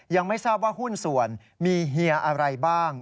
ยังไม่ทราบว่าหุ้นส่วนมีเฮียอะไรบ้าง